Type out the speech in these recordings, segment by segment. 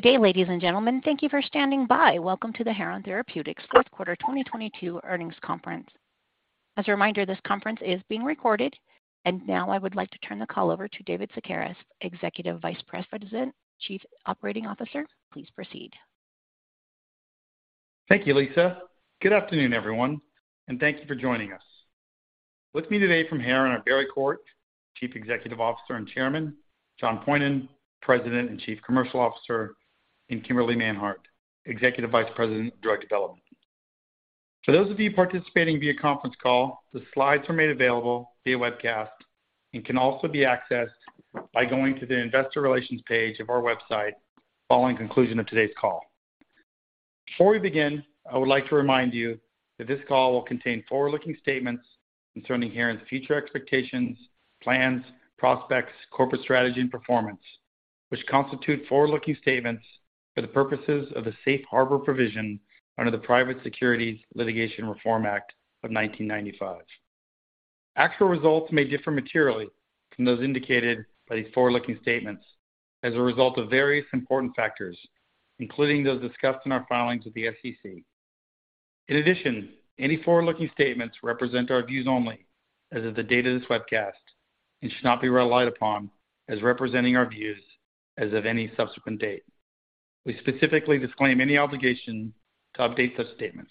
Good day, ladies and gentlemen. Thank you for standing by. Welcome to the Heron Therapeutics Fourth Quarter 2022 Earnings Conference. As a reminder, this conference is being recorded. Now I would like to turn the call over to David Szekeres, Executive Vice President, Chief Operating Officer. Please proceed. Thank you, Lisa. Good afternoon, everyone, thank you for joining us. With me today from Heron are Barry Quart, Chief Executive Officer and Chairman, John Poyhonen, President and Chief Commercial Officer, and Kimberly Manhard, Executive Vice President, Drug Development. For those of you participating via conference call, the slides are made available via webcast and can also be accessed by going to the investor relations page of our website following conclusion of today's call. Before we begin, I would like to remind you that this call will contain forward-looking statements concerning Heron's future expectations, plans, prospects, corporate strategy, and performance, which constitute forward-looking statements for the purposes of the Safe Harbor provision under the Private Securities Litigation Reform Act of 1995. Actual results may differ materially from those indicated by these forward-looking statements as a result of various important factors, including those discussed in our filings with the SEC. In addition, any forward-looking statements represent our views only as of the date of this webcast and should not be relied upon as representing our views as of any subsequent date. We specifically disclaim any obligation to update such statements.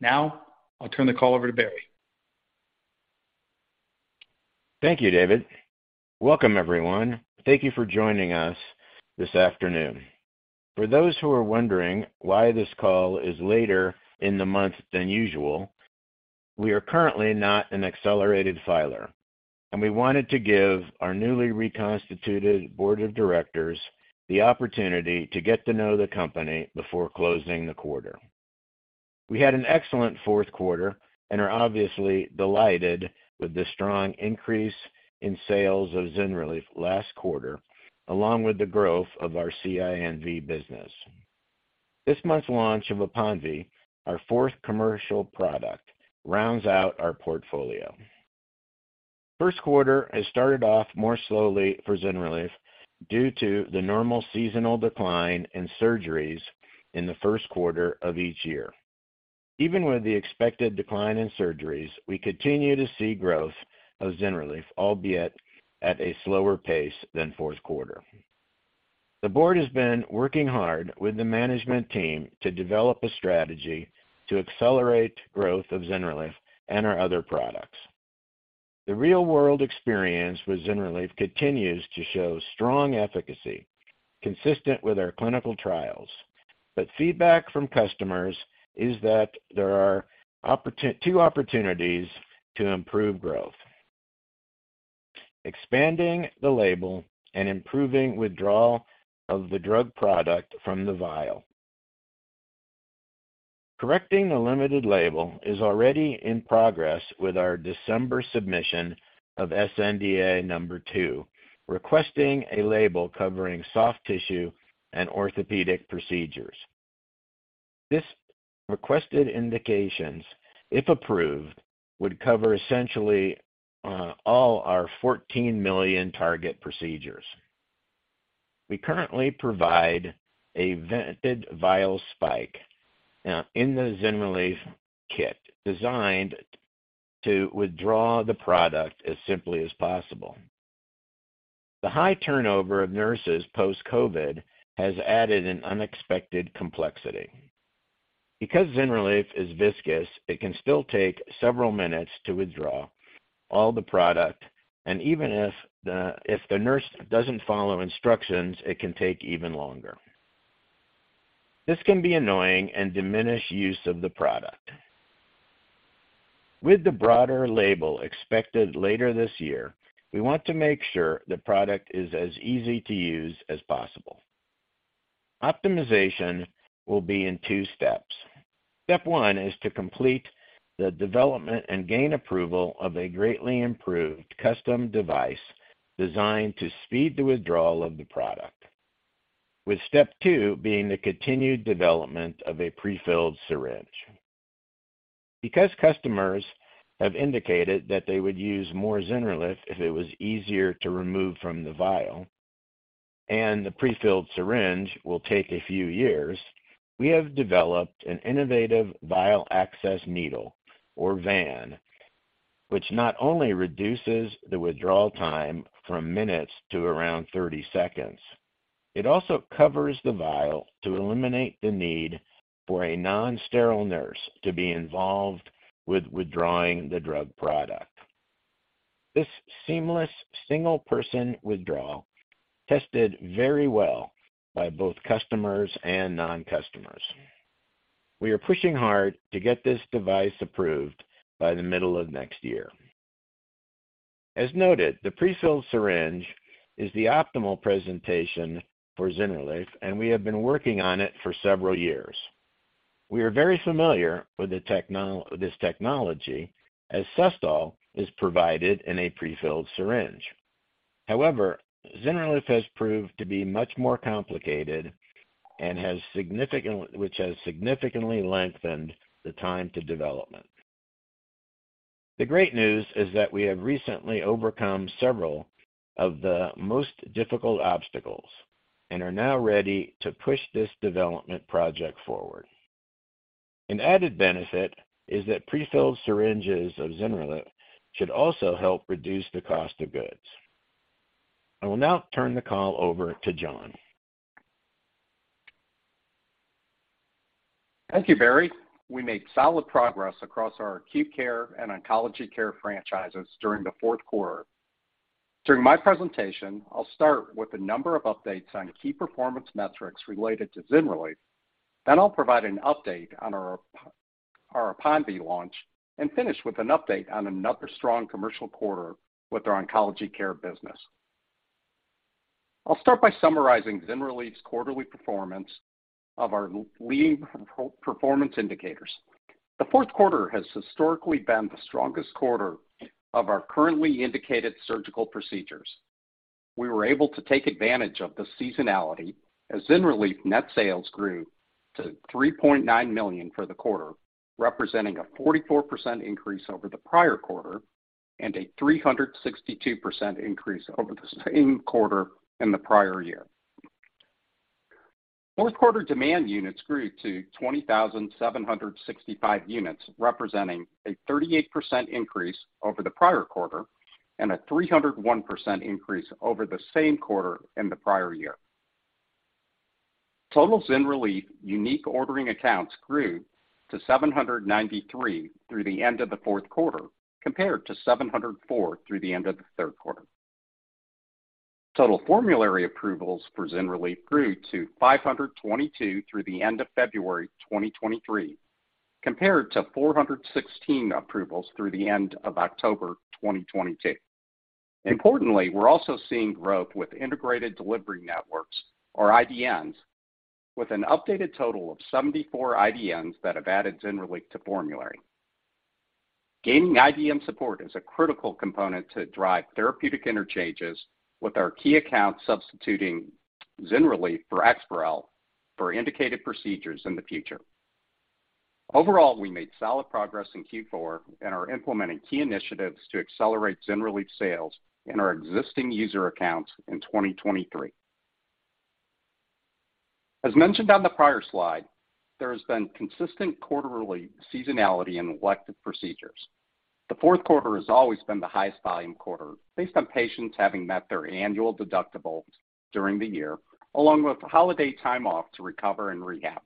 Now, I'll turn the call over to Barry. Thank you, David. Welcome, everyone. Thank you for joining us this afternoon. For those who are wondering why this call is later in the month than usual, we are currently not an accelerated filer, we wanted to give our newly reconstituted board of directors the opportunity to get to know the company before closing the quarter. We had an excellent 4th quarter and are obviously delighted with the strong increase in sales of ZYNRELEF last quarter, along with the growth of our CINV business. This month's launch of APONVIE, our 4th commercial product, rounds out our portfolio. 1st quarter has started off more slowly for ZYNRELEF due to the normal seasonal decline in surgeries in the 1st quarter of each year. Even with the expected decline in surgeries, we continue to see growth of ZYNRELEF, albeit at a slower pace than 4th quarter. The board has been working hard with the management team to develop a strategy to accelerate growth of ZYNRELEF and our other products. The real-world experience with ZYNRELEF continues to show strong efficacy consistent with our clinical trials. Feedback from customers is that there are two opportunities to improve growth. Expanding the label and improving withdrawal of the drug product from the vial. Correcting the limited label is already in progress with our December submission of sNDA 2, requesting a label covering soft tissue and orthopedic procedures. This requested indications, if approved, would cover essentially all our 14 million target procedures. We currently provide a vented vial spike in the ZYNRELEF kit designed to withdraw the product as simply as possible. The high turnover of nurses post-COVID has added an unexpected complexity. ZYNRELEF is viscous, it can still take several minutes to withdraw all the product, and even if the nurse doesn't follow instructions, it can take even longer. This can be annoying and diminish use of the product. With the broader label expected later this year, we want to make sure the product is as easy to use as possible. Optimization will be in two steps. Step one is to complete the development and gain approval of a greatly improved custom device designed to speed the withdrawal of the product, with step two being the continued development of a prefilled syringe. Customers have indicated that they would use more ZYNRELEF if it was easier to remove from the vial, and the prefilled syringe will take a few years, we have developed an innovative vial access needle or VAN, which not only reduces the withdrawal time from minutes to around 30 seconds, it also covers the vial to eliminate the need for a non-sterile nurse to be involved with withdrawing the drug product. This seamless single-person withdrawal tested very well by both customers and non-customers. We are pushing hard to get this device approved by the middle of next year. As noted, the prefilled syringe is the optimal presentation for ZYNRELEF, we have been working on it for several years. We are very familiar with this technology as SUSTOL is provided in a prefilled syringe. ZYNRELEF has proved to be much more complicated which has significantly lengthened the time to development. The great news is that we have recently overcome several of the most difficult obstacles and are now ready to push this development project forward. An added benefit is that prefilled syringes of ZYNRELEF should also help reduce the cost of goods. I will now turn the call over to John. Thank you, Barry Quart. We made solid progress across our acute care and oncology care franchises during the fourth quarter. During my presentation, I'll start with a number of updates on key performance metrics related to ZYNRELEF. I'll provide an update on our APONVIE launch and finish with an update on another strong commercial quarter with our oncology care business. I'll start by summarizing ZYNRELEF's quarterly performance of our leading performance indicators. The fourth quarter has historically been the strongest quarter of our currently indicated surgical procedures. We were able to take advantage of the seasonality as ZYNRELEF net sales grew to $3.9 million for the quarter, representing a 44% increase over the prior quarter and a 362% increase over the same quarter in the prior year. Fourth quarter demand units grew to 20,765 units, representing a 38% increase over the prior quarter and a 301% increase over the same quarter in the prior year. Total ZYNRELEF unique ordering accounts grew to 793 through the end of the fourth quarter, compared to 704 through the end of the third quarter. Total formulary approvals for ZYNRELEF grew to 522 through the end of February 2023, compared to 416 approvals through the end of October 2022. Importantly, we're also seeing growth with integrated delivery networks, or IDNs, with an updated total of 74 IDNs that have added ZYNRELEF to formulary. Gaining IDN support is a critical component to drive therapeutic interchanges, with our key accounts substituting ZYNRELEF for EXPAREL for indicated procedures in the future. Overall, we made solid progress in Q4 and are implementing key initiatives to accelerate ZYNRELEF sales in our existing user accounts in 2023. As mentioned on the prior slide, there has been consistent quarterly seasonality in elective procedures. The fourth quarter has always been the highest volume quarter based on patients having met their annual deductibles during the year, along with holiday time off to recover and rehab.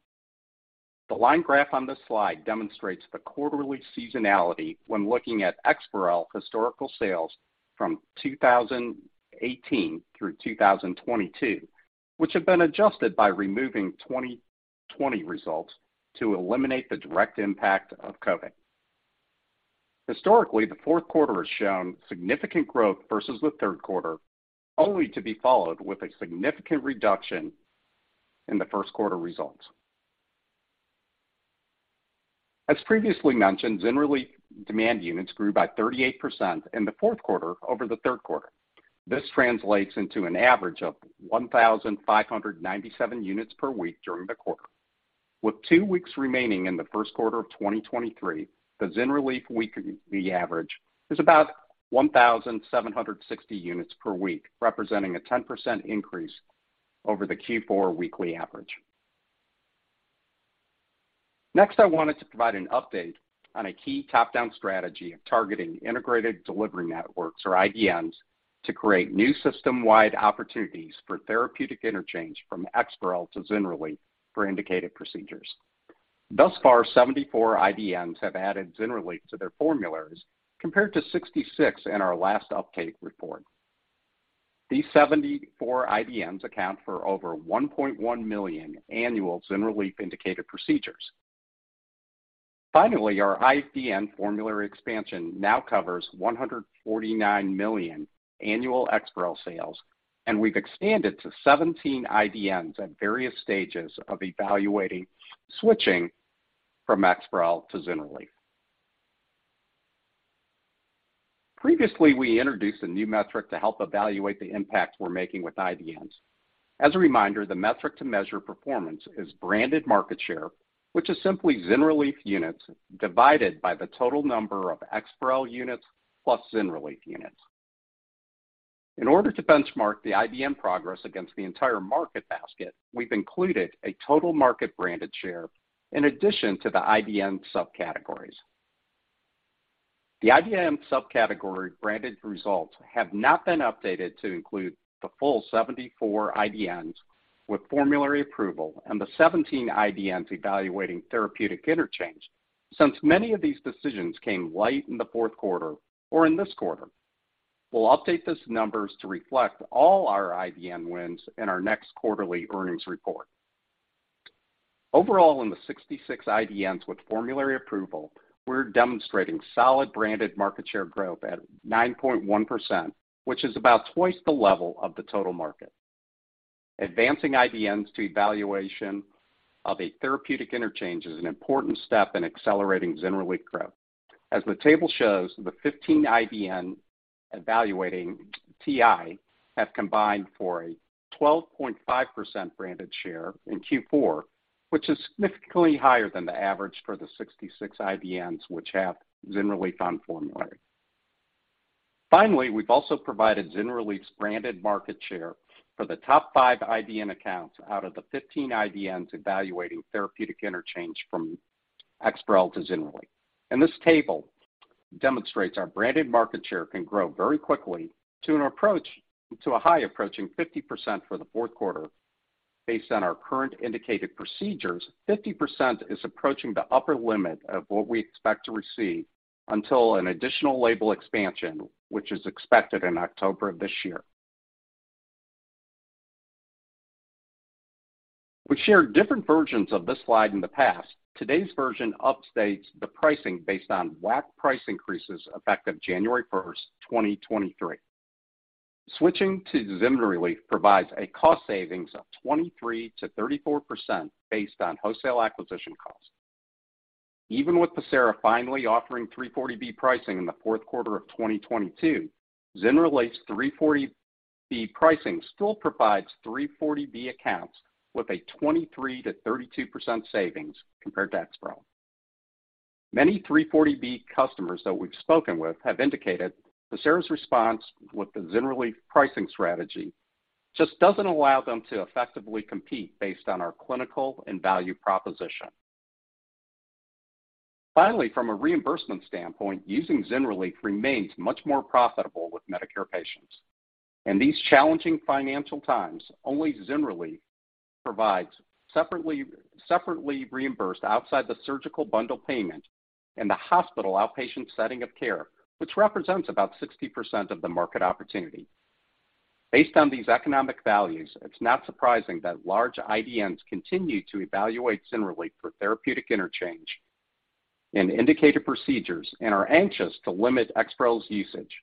The line graph on this slide demonstrates the quarterly seasonality when looking at EXPAREL historical sales from 2018 through 2022, which have been adjusted by removing 2020 results to eliminate the direct impact of COVID. Historically, the fourth quarter has shown significant growth versus the third quarter, only to be followed with a significant reduction in the first quarter results. As previously mentioned, ZYNRELEF demand units grew by 38% in the fourth quarter over the third quarter. This translates into an average of 1,597 units per week during the quarter. With 2 weeks remaining in the 1st quarter of 2023, the ZYNRELEF weekly average is about 1,760 units per week, representing a 10% increase over the Q4 weekly average. Next, I wanted to provide an update on a key top-down strategy of targeting integrated delivery networks, or IDNs, to create new system-wide opportunities for therapeutic interchange from EXPAREL to ZYNRELEF for indicated procedures. Thus far, 74 IDNs have added ZYNRELEF to their formularies, compared to 66 in our last update report. These 74 IDNs account for over 1.1 million annual ZYNRELEF indicated procedures. Finally, our IDN formulary expansion now covers $149 million annual EXPAREL sales, and we've expanded to 17 IDNs at various stages of evaluating switching from EXPAREL to ZYNRELEF. Previously, we introduced a new metric to help evaluate the impact we're making with IDNs. As a reminder, the metric to measure performance is branded market share, which is simply ZYNRELEF units divided by the total number of EXPAREL units plus ZYNRELEF units. In order to benchmark the IDN progress against the entire market basket, we've included a total market branded share in addition to the IDN subcategories. The IDN subcategory branded results have not been updated to include the full 74 IDNs with formulary approval and the 17 IDNs evaluating therapeutic interchange, since many of these decisions came late in the fourth quarter or in this quarter. We'll update these numbers to reflect all our IDN wins in our next quarterly earnings report. Overall, in the 66 IDNs with formulary approval, we're demonstrating solid branded market share growth at 9.1%, which is about twice the level of the total market. Advancing IDNs to evaluation of a therapeutic interchange is an important step in accelerating ZYNRELEF growth. As the table shows, the 15 IDN-Evaluating TI have combined for a 12.5% branded share in Q4, which is significantly higher than the average for the 66 IDNs which have ZYNRELEF on formulary. Finally, we've also provided ZYNRELEF's branded market share for the top five IDN accounts out of the 15 IDNs evaluating therapeutic interchange from EXPAREL to ZYNRELEF. This table demonstrates our branded market share can grow very quickly to a high approaching 50% for the fourth quarter based on our current indicated procedures. 50% is approaching the upper limit of what we expect to receive until an additional label expansion, which is expected in October of this year. We've shared different versions of this slide in the past. Today's version updates the pricing based on WAC price increases effective January 1st, 2023. Switching to ZYNRELEF provides a cost savings of 23%-34% based on wholesale acquisition costs. Even with Pacira finally offering 340B pricing in the fourth quarter of 2022, ZYNRELEF's 340B pricing still provides 340B accounts with a 23%-32% savings compared to EXPAREL. Many 340B customers that we've spoken with have indicated Pacira's response with the ZYNRELEF pricing strategy just doesn't allow them to effectively compete based on our clinical and value proposition. From a reimbursement standpoint, using ZYNRELEF remains much more profitable with Medicare patients. In these challenging financial times, only ZYNRELEF provides separately reimbursed outside the surgical bundle payment in the hospital outpatient setting of care, which represents about 60% of the market opportunity. Based on these economic values, it's not surprising that large IDNs continue to evaluate ZYNRELEF for therapeutic interchange in indicated procedures and are anxious to limit EXPAREL's usage.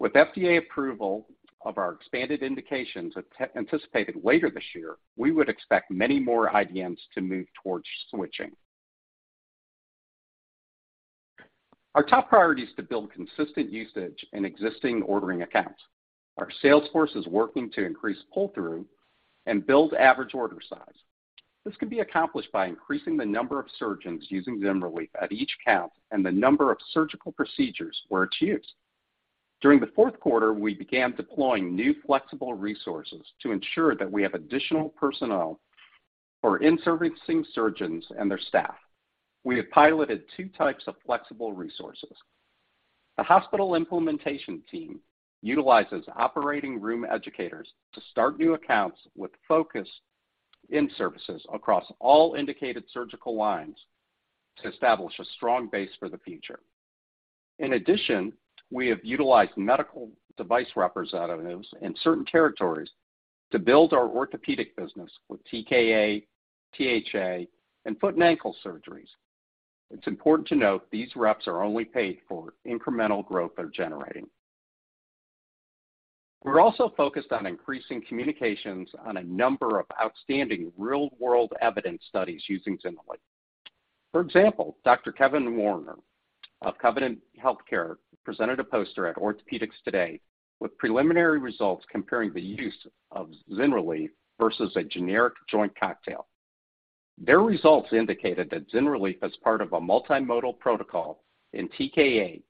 With FDA approval of our expanded indications anticipated later this year, we would expect many more IDNs to move towards switching. Our top priority is to build consistent usage in existing ordering accounts. Our sales force is working to increase pull-through and build average order size. This can be accomplished by increasing the number of surgeons using ZYNRELEF at each account and the number of surgical procedures where it's used. During the fourth quarter, we began deploying new flexible resources to ensure that we have additional personnel for in-servicing surgeons and their staff. We have piloted two types of flexible resources. The hospital implementation team utilizes operating room educators to start new accounts with focus in-services across all indicated surgical lines to establish a strong base for the future. We have utilized medical device representatives in certain territories to build our orthopedic business with TKA, THA, and foot and ankle surgeries. It's important to note these reps are only paid for incremental growth they're generating. We're also focused on increasing communications on a number of outstanding real-world evidence studies using ZYNRELEF. Dr. Kevin Warner of Covenant HealthCare presented a poster at Orthopedics Today with preliminary results comparing the use of ZYNRELEF versus a generic joint cocktail. Their results indicated that ZYNRELEF as part of a multimodal protocol in TKA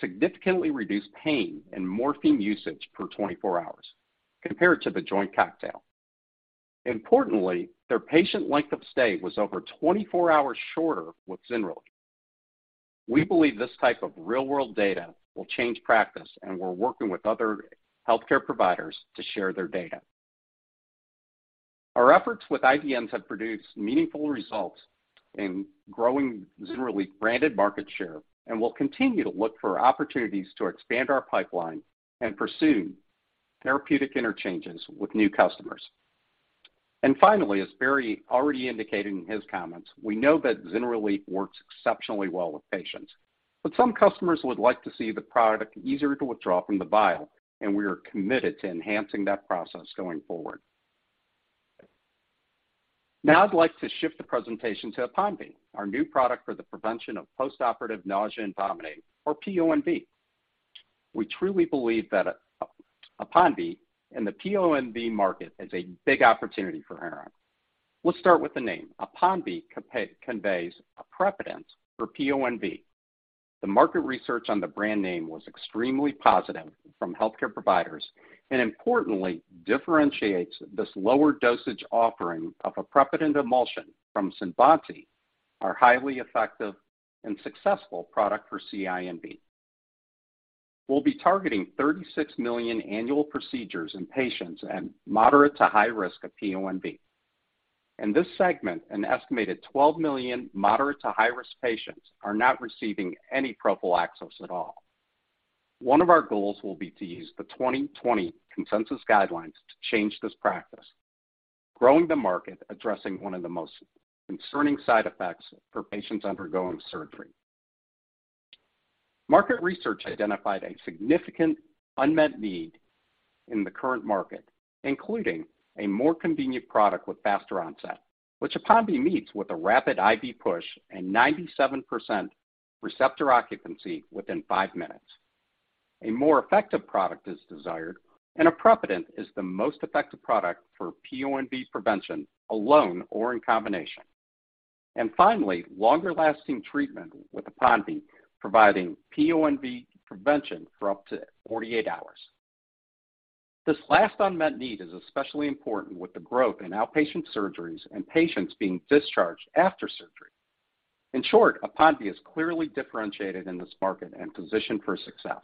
significantly reduced pain and morphine usage per 24 hours compared to the joint cocktail. Importantly, their patient length of stay was over 24 hours shorter with ZYNRELEF. We believe this type of real-world data will change practice, and we're working with other healthcare providers to share their data. Our efforts with IDNs have produced meaningful results in growing ZYNRELEF branded market share, and we'll continue to look for opportunities to expand our pipeline and pursue therapeutic interchanges with new customers. Finally, as Barry already indicated in his comments, we know that ZYNRELEF works exceptionally well with patients, but some customers would like to see the product easier to withdraw from the vial, and we are committed to enhancing that process going forward. Now I'd like to shift the presentation to APONVIE, our new product for the prevention of postoperative nausea and vomiting, or PONV. We truly believe that APONVIE in the PONV market is a big opportunity for Heron. Let's start with the name. APONVIE conveys aprepitant for PONV. Importantly differentiates this lower dosage offering of aprepitant injectable emulsion from CINVANTI, our highly effective and successful product for CINV. We'll be targeting 36 million annual procedures in patients at moderate to high risk of PONV. In this segment, an estimated 12 million moderate to high-risk patients are not receiving any prophylaxis at all. One of our goals will be to use the 2020 consensus PONV guidelines to change this practice, growing the market addressing one of the most concerning side effects for patients undergoing surgery. Market research identified a significant unmet need in the current market, including a more convenient product with faster onset, which APONVIE meets with a rapid IV push and 97% receptor occupancy within 5 minutes. A more effective product is desired, and aprepitant is the most effective product for PONV prevention alone or in combination. Finally, longer-lasting treatment with APONVIE, providing PONV prevention for up to 48 hours. This last unmet need is especially important with the growth in outpatient surgeries and patients being discharged after surgery. In short, APONVIE is clearly differentiated in this market and positioned for success.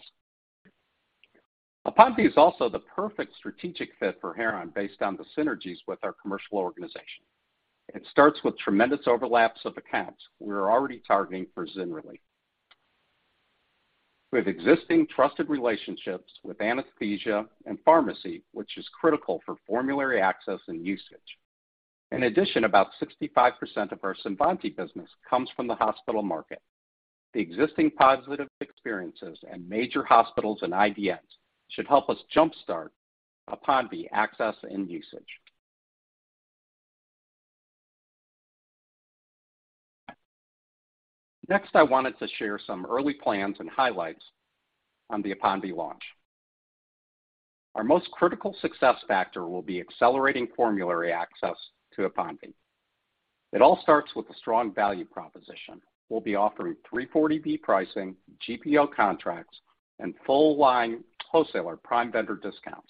APONVIE is also the perfect strategic fit for Heron based on the synergies with our commercial organization. It starts with tremendous overlaps of accounts we are already targeting for ZYNRELEF. With existing trusted relationships with anesthesia and pharmacy, which is critical for formulary access and usage. In addition, about 65% of our CINVANTI business comes from the hospital market. The existing positive experiences in major hospitals and IDNs should help us jump-start APONVIE access and usage. Next, I wanted to share some early plans and highlights on the APONVIE launch. Our most critical success factor will be accelerating formulary access to APONVIE. It all starts with a strong value proposition. We'll be offering 340B pricing, GPO contracts, and full-line wholesaler prime vendor discounts.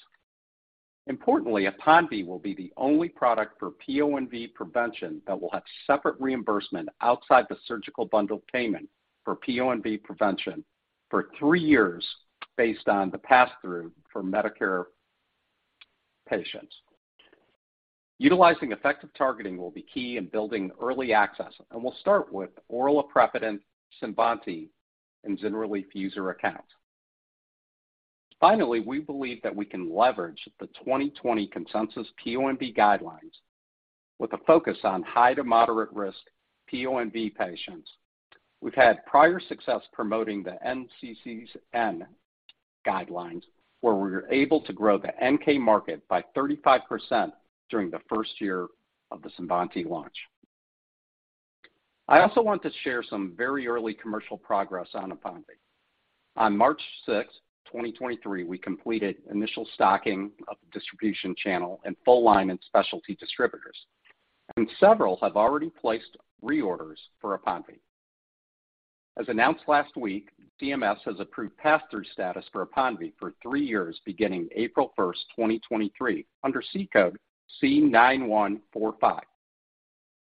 Importantly, APONVIE will be the only product for PONV prevention that will have separate reimbursement outside the surgical bundled payment for PONV prevention for 3 years based on the passthrough for Medicare patients. Utilizing effective targeting will be key in building early access, and we'll start with oral aprepitant, CINVANTI, and ZYNRELEF user accounts. Finally, we believe that we can leverage the 2020 consensus PONV guidelines with a focus on high to moderate risk PONV patients. We've had prior success promoting the NCCN guidelines, where we were able to grow the NK market by 35% during the first year of the CINVANTI launch. I also want to share some very early commercial progress on APONVIE. On March 6, 2023, we completed initial stocking of the distribution channel and full line in specialty distributors, and several have already placed reorders for APONVIE. As announced last week, CMS has approved pass-through status for APONVIE for 3 years beginning April 1, 2023, under C code C9145.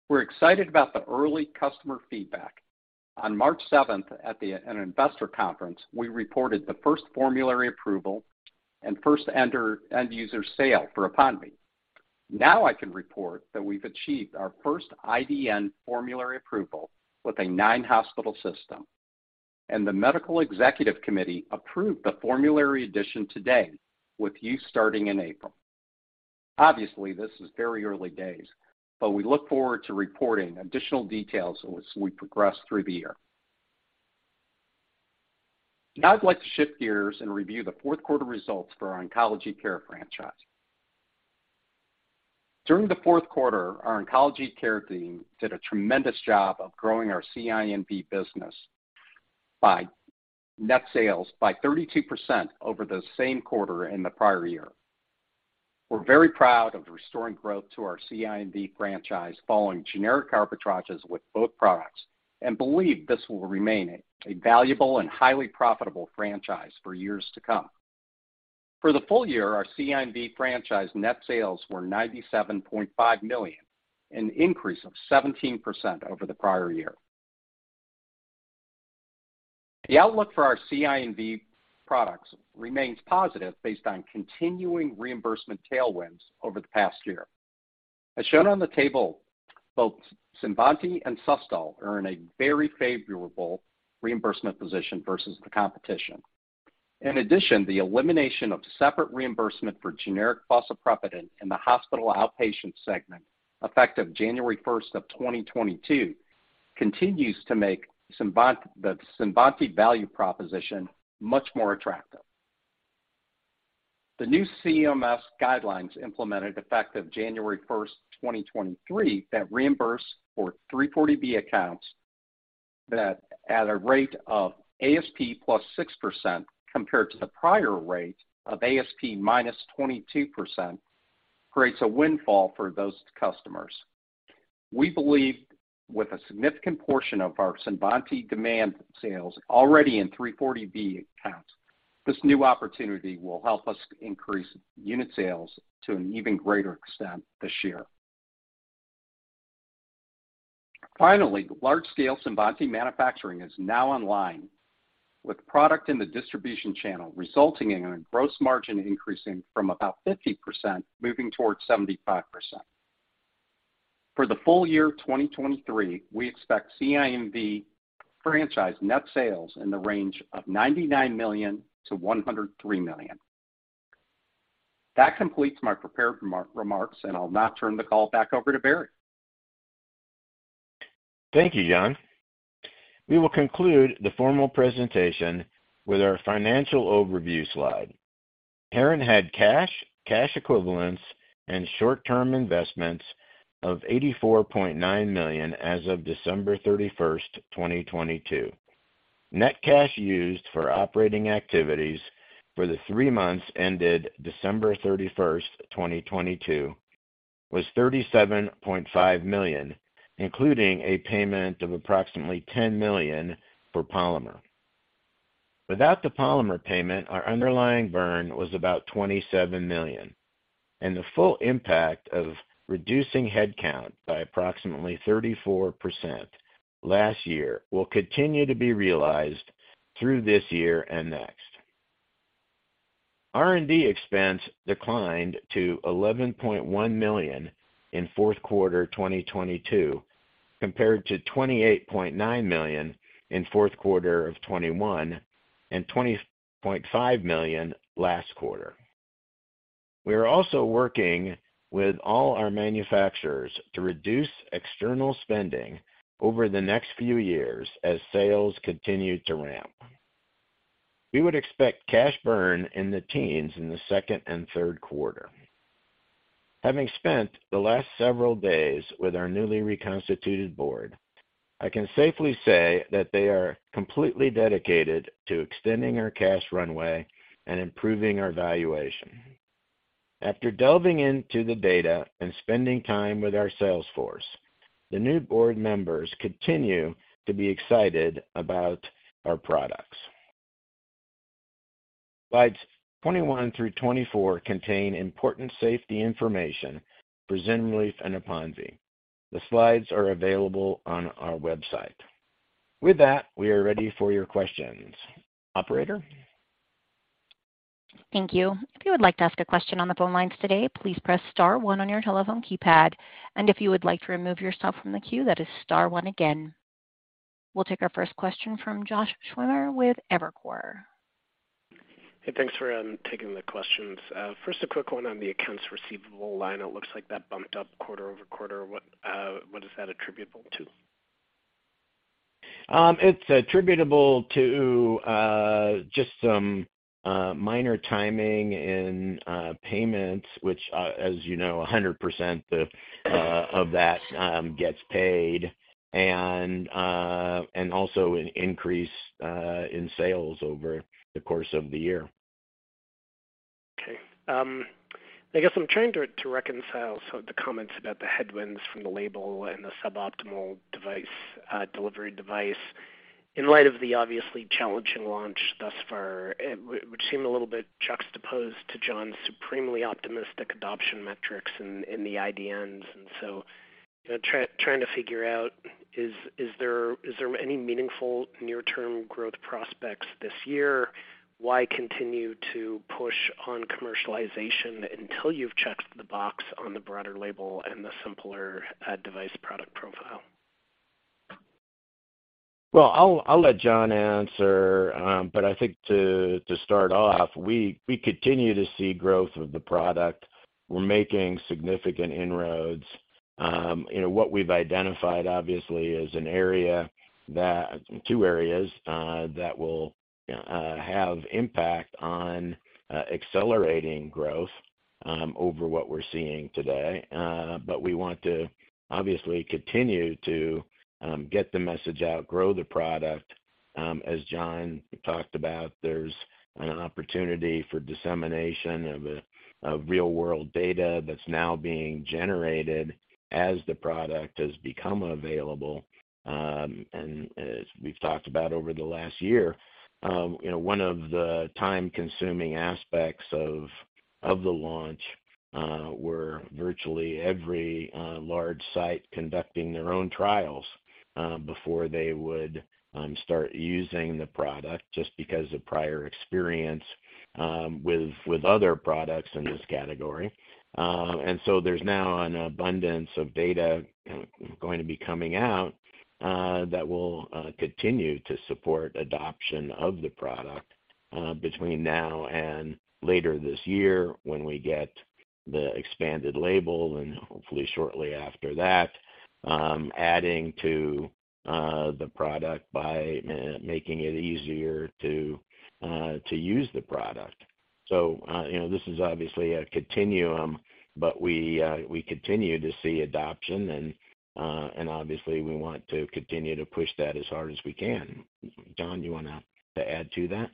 We're excited about the early customer feedback. On March 7 at an investor conference, we reported the first formulary approval and first end user sale for APONVIE. I can report that we've achieved our first IDN formulary approval with a nine-hospital system, and the medical executive committee approved the formulary addition today with use starting in April. This is very early days, we look forward to reporting additional details as we progress through the year. I'd like to shift gears and review the fourth quarter results for our oncology care franchise. During the fourth quarter, our oncology care team did a tremendous job of growing our CINV business by net sales by 32% over the same quarter in the prior year. We're very proud of restoring growth to our CINV franchise following generic carpet pouches with both products and believe this will remain a valuable and highly profitable franchise for years to come. For the full year, our CINV franchise net sales were $97.5 million, an increase of 17% over the prior year. The outlook for our CINV products remains positive based on continuing reimbursement tailwinds over the past year. As shown on the table, both CINVANTI and SUSTOL are in a very favorable reimbursement position versus the competition. In addition, the elimination of separate reimbursement for generic fosaprepitant in the hospital outpatient segment, effective January 1, 2022, continues to make the CINVANTI value proposition much more attractive. The new CMS guidelines implemented effective January 1, 2023, that reimburse for 340B accounts at a rate of ASP plus 6% compared to the prior rate of ASP minus 22%, creates a windfall for those customers. We believe with a significant portion of our CINVANTI demand sales already in 340B accounts, this new opportunity will help us increase unit sales to an even greater extent this year. Large-scale CINVANTI manufacturing is now online with product in the distribution channel, resulting in a gross margin increasing from about 50% moving towards 75%. For the full year 2023, we expect CINV franchise net sales in the range of $99 million-$103 million. That completes my prepared remarks, and I'll now turn the call back over to Barry. Thank you, John. We will conclude the formal presentation with our financial overview slide. Heron had cash equivalents, and short-term investments of $84.9 million as of December 31st, 2022. Net cash used for operating activities for the 3 months ended December 31st, 2022 was $37.5 million, including a payment of approximately $10 million for polymer. Without the polymer payment, our underlying burn was about $27 million, the full impact of reducing headcount by approximately 34% last year will continue to be realized through this year and next. R&D expense declined to $11.1 million in fourth quarter 2022 compared to $28.9 million in fourth quarter of 2021 and $20.5 million last quarter. We are also working with all our manufacturers to reduce external spending over the next few years as sales continue to ramp. We would expect cash burn in the teens in the second and third quarter. Having spent the last several days with our newly reconstituted board, I can safely say that they are completely dedicated to extending our cash runway and improving our valuation. After delving into the data and spending time with our sales force, the new board members continue to be excited about our products. Slides 21 through 24 contain important safety information for ZYNRELEF and APONVIE. The slides are available on our website. With that, we are ready for your questions. Operator? Thank you. If you would like to ask a question on the phone lines today, please press star one on your telephone keypad. If you would like to remove yourself from the queue, that is star one again. We'll take our first question from Josh Schimmer with Evercore. Hey, thanks for taking the questions. First, a quick one on the accounts receivable line. It looks like that bumped up quarter-over-quarter. What is that attributable to? It's attributable to just some minor timing in payments, which, as you know, 100% of that gets paid and also an increase in sales over the course of the year. Okay. I guess I'm trying to reconcile some of the comments about the headwinds from the label and the suboptimal device, delivery device in light of the obviously challenging launch thus far, which seem a little bit juxtaposed to John Poyhonen's supremely optimistic adoption metrics in the IDNs. You know, to figure out, is there any meaningful near-term growth prospects this year? Why continue to push on commercialization until you've checked the box on the broader label and the simpler, device product profile? Well, I'll let John answer. I think to start off, we continue to see growth of the product. We're making significant inroads. You know, what we've identified obviously is an area that two areas that will have impact on accelerating growth over what we're seeing today. We want to obviously continue to get the message out, grow the product. As John talked about, there's an opportunity for dissemination of real-world data that's now being generated as the product has become available. As we've talked about over the last year, you know, one of the time-consuming aspects of the launch were virtually every large site conducting their own trials before they would start using the product just because of prior experience with other products in this category. There's now an abundance of data going to be coming out that will continue to support adoption of the product between now and later this year when we get the expanded label, and hopefully shortly after that, adding to the product by making it easier to use the product. You know, this is obviously a continuum, but we continue to see adoption and obviously we want to continue to push that as hard as we can. John, you wanna to add to that?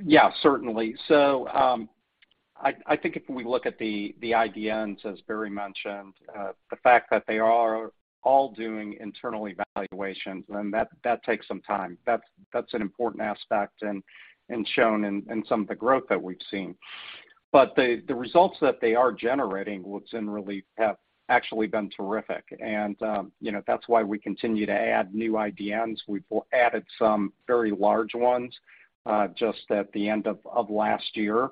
Yeah, certainly. I think if we look at the IDNs, as Barry mentioned, the fact that they are all doing internal evaluations and that takes some time. That's an important aspect and shown in some of the growth that we've seen. The results that they are generating with ZYNRELEF have actually been terrific. You know, that's why we continue to add new IDNs. We've added some very large ones, just at the end of last year.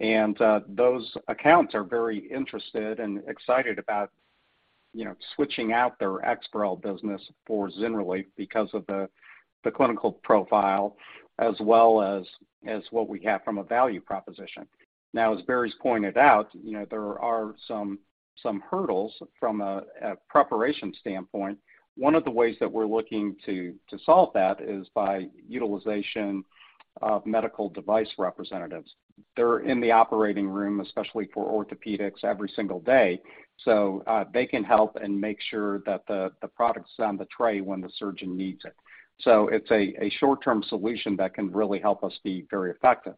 Those accounts are very interested and excited about You know, switching out their EXPAREL business for ZYNRELEF because of the clinical profile as well as what we have from a value proposition. As Barry Quart pointed out, you know, there are some hurdles from a preparation standpoint. One of the ways that we're looking to solve that is by utilization of medical device representatives. They're in the operating room, especially for orthopedics every single day, they can help and make sure that the product's on the tray when the surgeon needs it. It's a short-term solution that can really help us be very effective.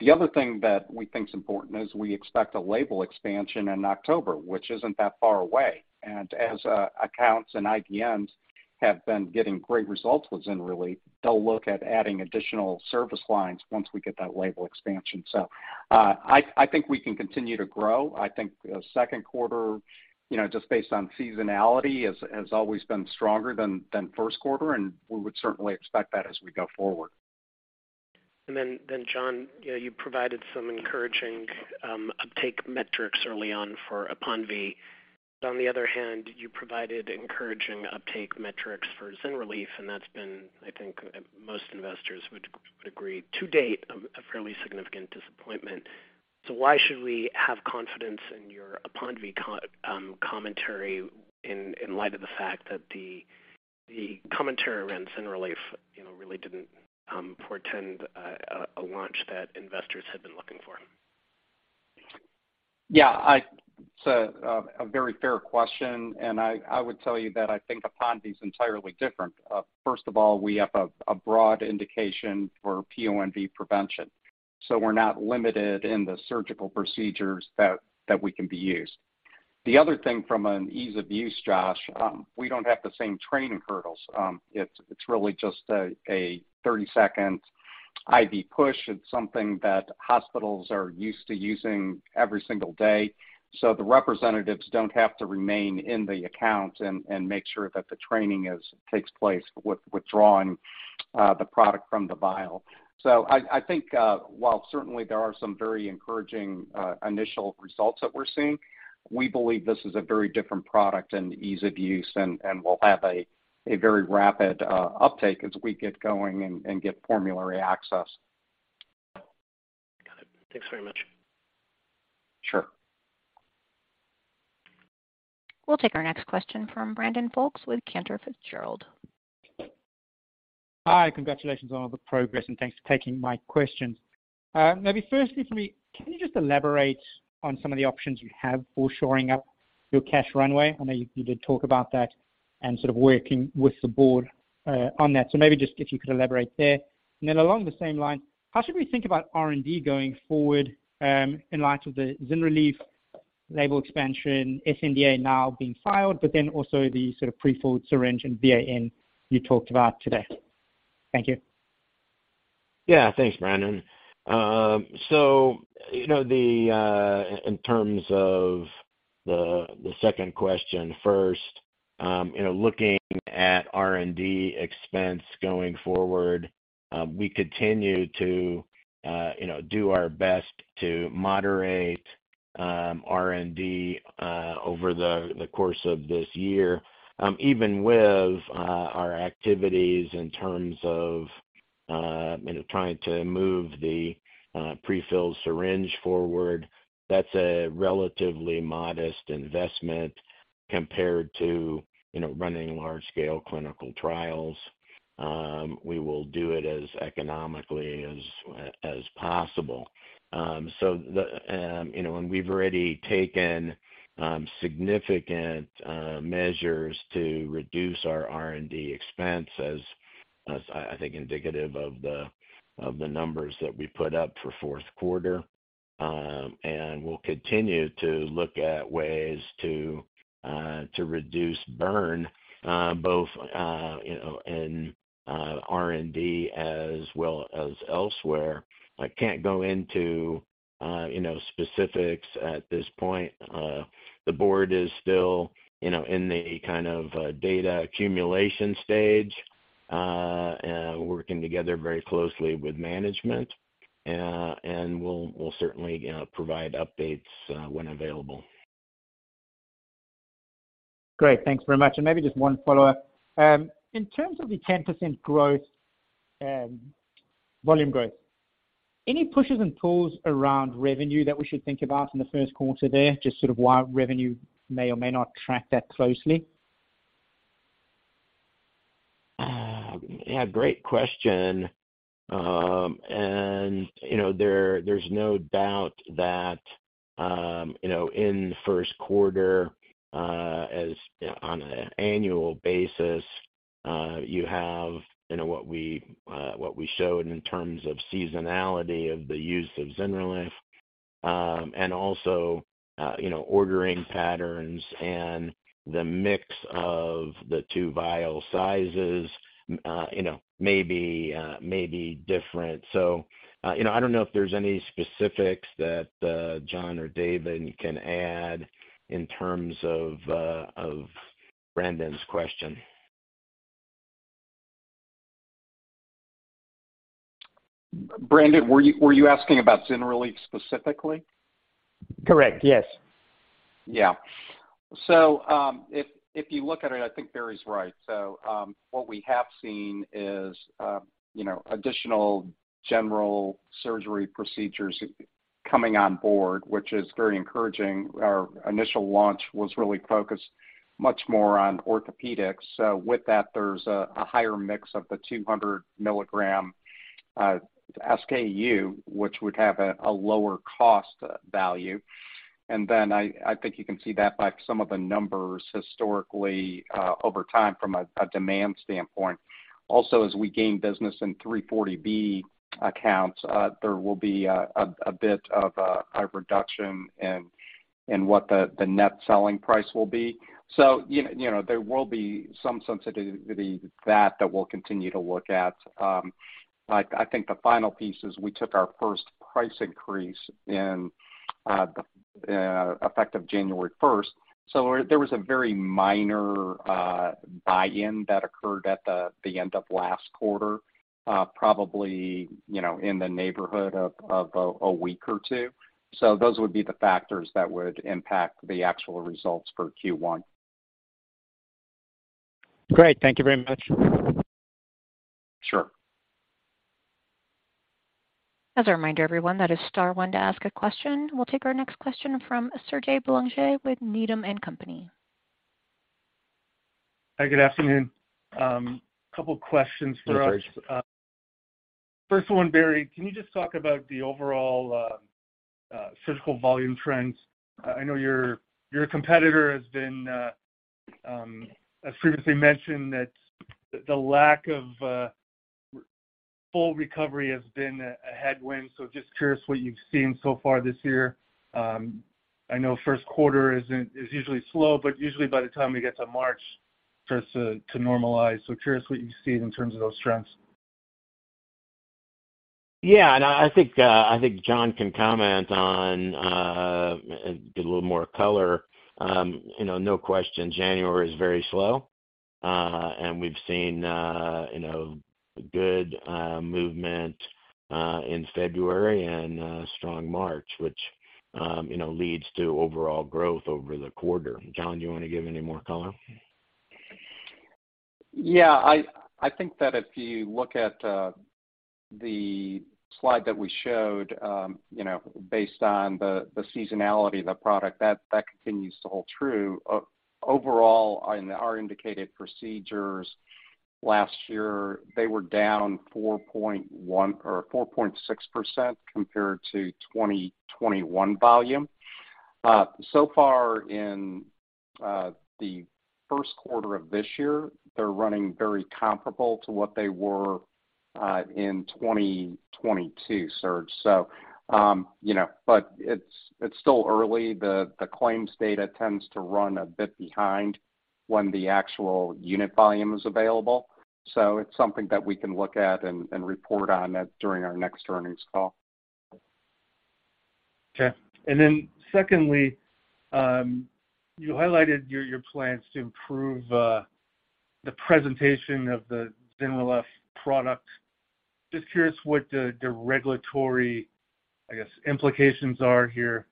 The other thing that we think is important is we expect a label expansion in October, which isn't that far away. As accounts and IDNs have been getting great results with ZYNRELEF, they'll look at adding additional service lines once we get that label expansion. I think we can continue to grow. I think the second quarter, you know, just based on seasonality has always been stronger than first quarter, and we would certainly expect that as we go forward. Then John, you know, you provided some encouraging uptake metrics early on for APONVIE. On the other hand, you provided encouraging uptake metrics for ZYNRELEF, and that's been, I think most investors would agree to date, a fairly significant disappointment. Why should we have confidence in your APONVIE commentary in light of the fact that the commentary around ZYNRELEF, you know, really didn't portend a launch that investors had been looking for? A very fair question, and I would tell you that I think APONVIE's entirely different. First of all, we have a broad indication for PONV prevention, so we're not limited in the surgical procedures we can be used. The other thing from an ease of use, Josh, we don't have the same training hurdles. It's really just a 30-second IV push. It's something that hospitals are used to using every single day, so the representatives don't have to remain in the account and make sure that the training takes place with withdrawing the product from the vial. I think, while certainly there are some very encouraging, initial results that we're seeing, we believe this is a very different product and ease of use and will have a very rapid uptake as we get going and get formulary access. Got it. Thanks very much. Sure. We'll take our next question from Brandon Folkes with Cantor Fitzgerald. Hi. Congratulations on all the progress. Thanks for taking my questions. Maybe firstly for me, can you just elaborate on some of the options you have for shoring up your cash runway? I know you did talk about that and sort of working with the board, on that. Maybe just if you could elaborate there. Then along the same line, how should we think about R&D going forward, in light of the ZYNRELEF label expansion, sNDA now being filed, but then also the sort of prefilled syringe and BAN you talked about today? Thank you. Yeah. Thanks, Brandon. You know, in terms of the second question first, you know, looking at R&D expense going forward, we continue to, you know, do our best to moderate R&D over the course of this year. Even with our activities in terms of, you know, trying to move the prefilled syringe forward, that's a relatively modest investment compared to, you know, running large scale clinical trials. We will do it as economically as possible. You know, we've already taken significant measures to reduce our R&D expense as I think indicative of the numbers that we put up for fourth quarter. We'll continue to look at ways to reduce burn, both, you know, in R&D as well as elsewhere. I can't go into, you know, specifics at this point. The board is still, you know, in the kind of, data accumulation stage, working together very closely with management, we'll certainly, you know, provide updates, when available. Great. Thanks very much. Maybe just one follow-up. In terms of the 10% growth, volume growth, any pushes and pulls around revenue that we should think about in the first quarter there, just sort of why revenue may or may not track that closely? Uh, yeah, great question. Um, and you know, there, there's no doubt that, um, you know, in first quarter, uh, as on an annual basis, uh, you have, you know, what we, uh, what we showed in terms of seasonality of the use of ZYNRE, um, and also, uh, you know, ordering patterns and the mix of the two vial sizes, uh, you know, may be, uh, may be different. So, uh, you know, I don't know if there's any specifics that, uh, John or David can add in terms of, uh, of Brandon's question. Brandon, were you asking about ZYNRELEF specifically? Correct. Yes. If you look at it, I think Barry's right. What we have seen is, you know, additional general surgery procedures coming on board, which is very encouraging. Our initial launch was really focused much more on orthopedics. With that, there's a higher mix of the 200 milligram SKU, which would have a lower cost value. I think you can see that by some of the numbers historically, over time from a demand standpoint. As we gain business in 340B accounts, there will be a bit of a reduction in what the net selling price will be. You know, there will be some sensitivity to that that we'll continue to look at. I think the final piece is we took our first price increase in the effective January first. There was a very minor buy-in that occurred at the end of last quarter, probably, you know, in the neighborhood of a week or two. Those would be the factors that would impact the actual results for Q1. Great. Thank you very much. Sure. As a reminder, everyone, that is star one to ask a question. We'll take our next question from Serge Belanger with Needham and Company. Hi, good afternoon. A couple questions for us. Hi, Serge. First one, Barry, can you just talk about the overall surgical volume trends? I know your competitor has been as previously mentioned, that the lack of a full recovery has been a headwind. Just curious what you've seen so far this year. I know first quarter is usually slow, but usually by the time we get to March, starts to normalize. Curious what you've seen in terms of those trends. Yeah. I think John can comment on, get a little more color. You know, no question, January is very slow. We've seen, you know, good movement in February and a strong March, which, you know, leads to overall growth over the quarter. John, do you want to give any more color? I think that if you look at the slide that we showed, you know, based on the seasonality of the product, that continues to hold true. Overall in our indicated procedures last year, they were down 4.1% or 4.6% compared to 2021 volume. So far in the first quarter of this year, they're running very comparable to what they were in 2022, Serge. You know, but it's still early. The claims data tends to run a bit behind when the actual unit volume is available. It's something that we can look at and report on it during our next earnings call. Okay. Secondly, you highlighted your plans to improve the presentation of the ZYNRELEF product. Just curious what the regulatory, I guess, implications are here.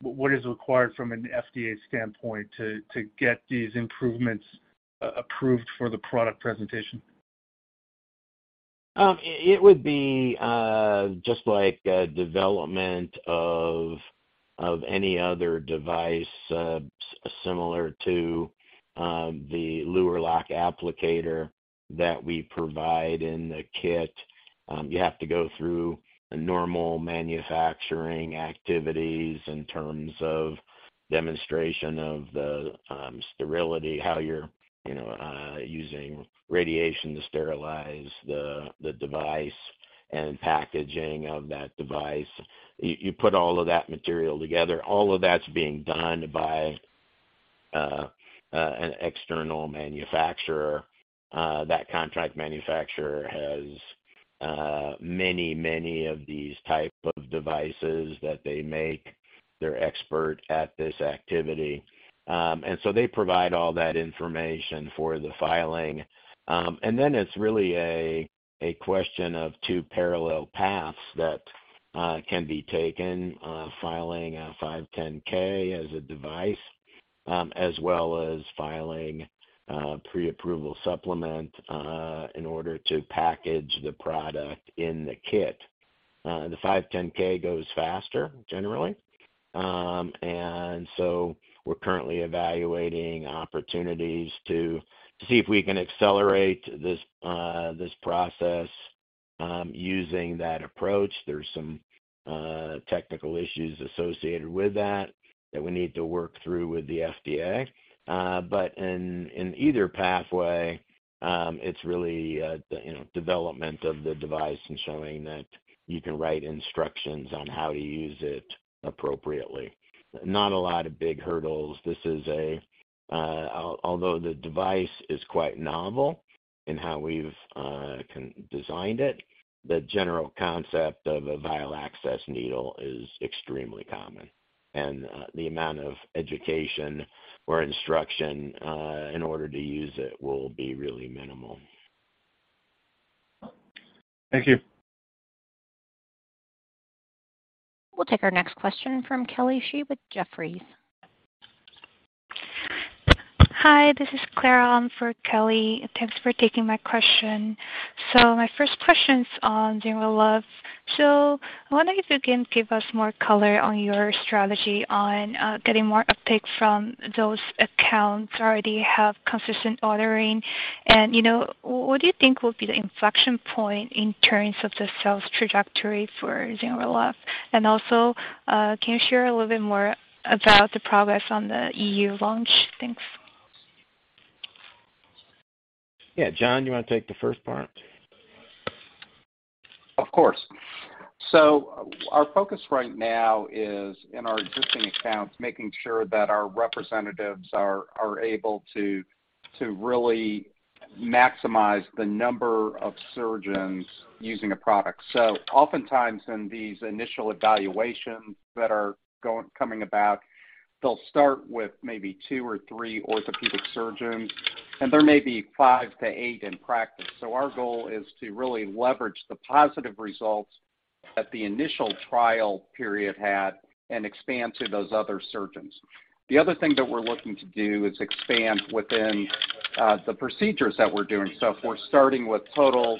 What is required from an FDA standpoint to get these improvements approved for the product presentation? It would be just like a development of any other device, similar to the lure lock applicator that we provide in the kit. You have to go through the normal manufacturing activities in terms of demonstration of the sterility, how you're, you know, using radiation to sterilize the device and packaging of that device. You put all of that material together. All of that's being done by an external manufacturer. That contract manufacturer has many of these type of devices that they make. They're expert at this activity. And so they provide all that information for the filing. It's really a question of two parallel paths that can be taken, filing a 510(k) as a device, as well as filing a pre-approval supplement in order to package the product in the kit. The 510(k) goes faster, generally. We're currently evaluating opportunities to see if we can accelerate this process using that approach. There's some technical issues associated with that that we need to work through with the FDA. In either pathway, it's really, you know, development of the device and showing that you can write instructions on how to use it appropriately. Not a lot of big hurdles. This is a, although the device is quite novel in how we've designed it, the general concept of a vial access needle is extremely common, and the amount of education or instruction, in order to use it will be really minimal. Thank you. We'll take our next question from Kelly Shi with Jefferies. Hi, this is Claire on for Kelly. Thanks for taking my question. My first question's on ZYNRELEF. I wonder if you can give us more color on your strategy on getting more uptake from those accounts already have consistent ordering and, you know, what do you think will be the inflection point in terms of the sales trajectory for ZYNRELEF? Can you share a little bit more about the progress on the EU launch? Thanks. Yeah. John, you wanna take the first part? Of course. Our focus right now is in our existing accounts, making sure that our representatives are able to really maximize the number of surgeons using a product. Oftentimes in these initial evaluations that are coming about, they'll start with maybe 2 or 3 orthopedic surgeons, and there may be 5 to 8 in practice. Our goal is to really leverage the positive results that the initial trial period had and expand to those other surgeons. The other thing that we're looking to do is expand within the procedures that we're doing. If we're starting with total...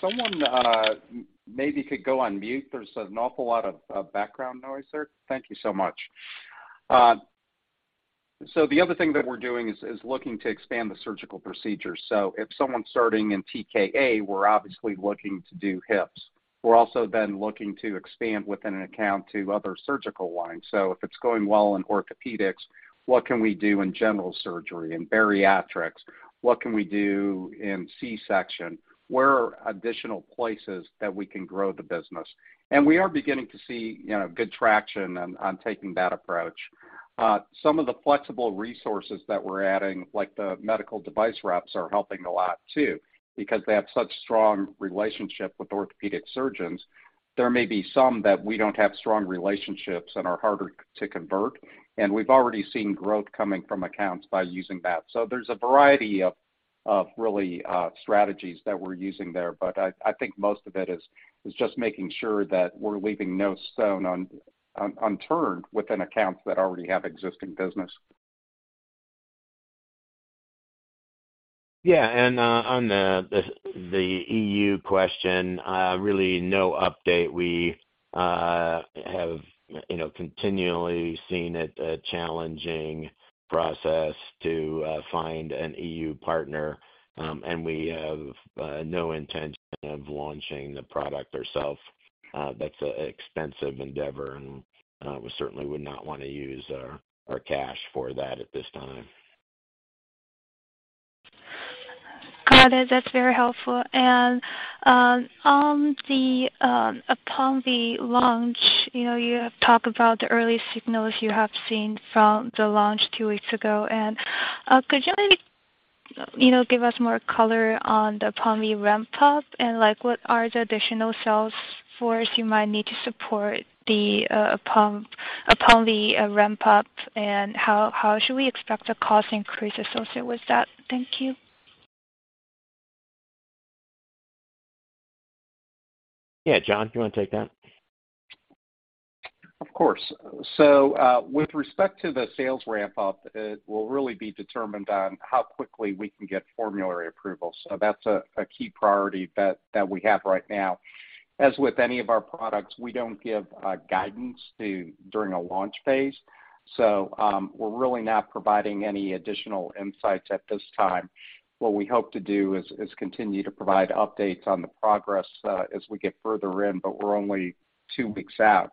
Someone maybe could go on mute. There's an awful lot of background noise there. Thank you so much. The other thing that we're doing is looking to expand the surgical procedures. If someone's starting in TKA, we're obviously looking to do hips. We're also looking to expand within an account to other surgical lines. If it's going well in orthopedics, what can we do in general surgery and bariatrics? What can we do in C-section? Where are additional places that we can grow the business? We are beginning to see, you know, good traction on taking that approach. Some of the flexible resources that we're adding, like the medical device reps, are helping a lot too because they have such strong relationship with orthopedic surgeons. There may be some that we don't have strong relationships and are harder to convert, and we've already seen growth coming from accounts by using that. There's a variety of really, strategies that we're using there, but I think most of it is just making sure that we're leaving no stone unturned within accounts that already have existing business. Yeah. On the EU question, really no update. We have, you know, continually seen it a challenging process to find an EU partner, and we have no intention of launching the product ourself. That's an expensive endeavor, and we certainly would not wanna use our cash for that at this time. Got it. That's very helpful. On the, upon the launch, you know, you have talked about the early signals you have seen from the launch two weeks ago. Could you maybe, you know, give us more color on the APONVIE ramp up and, like, what are the additional sales force you might need to support the upon the ramp up, and how should we expect the cost increase associated with that? Thank you. John, do you wanna take that? Of course. With respect to the sales ramp up, it will really be determined on how quickly we can get formulary approval. That's a key priority that we have right now. As with any of our products, we don't give guidance during a launch phase. We're really not providing any additional insights at this time. What we hope to do is continue to provide updates on the progress as we get further in, but we're only two weeks out.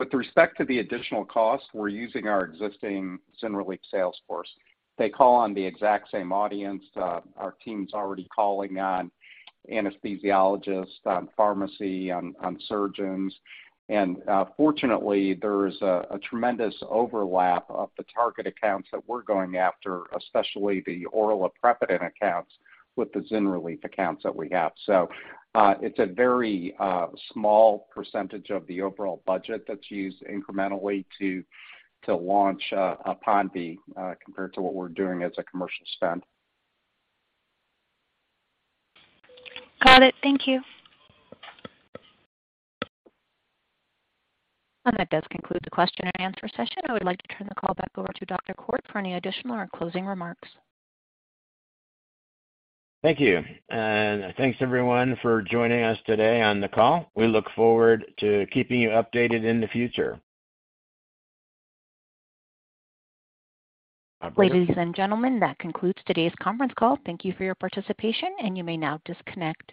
With respect to the additional cost, we're using our existing ZYNRELEF sales force. They call on the exact same audience. Our team's already calling on anesthesiologists, on pharmacy, on surgeons. Fortunately, there's a tremendous overlap of the target accounts that we're going after, especially the oral aprepitant accounts with the ZYNRELEF accounts that we have. It's a very small percentage of the overall budget that's used incrementally to launch APONVIE compared to what we're doing as a commercial spend. Got it. Thank you. That does conclude the question and answer session. I would like to turn the call back over to Dr. Quart for any additional or closing remarks. Thank you. Thanks everyone for joining us today on the call. We look forward to keeping you updated in the future. Ladies and gentlemen, that concludes today's conference call. Thank you for your participation. You may now disconnect.